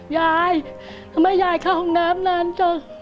ยายทำไมยายเข้าห้องน้ำนานจัง